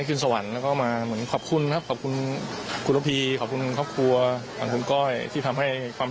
เพราะมันมีเรื่องเรียวรายกันใหญ่ขึ้น